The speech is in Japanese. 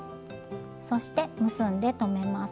そして結んで留めます。